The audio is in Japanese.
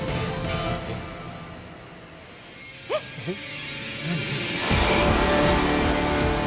えっ！えっ？